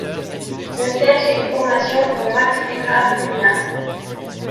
Neusser suit une formation au Max Reinhardt Seminar.